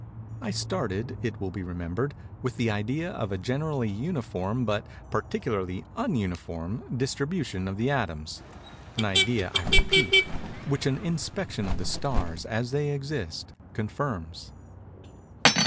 I started, it will be remembered, with the idea of a generally uniform but particularly _un_uniform distribution of the atoms;—an idea, I repeat, which an inspection of the stars, as they exist, confirms.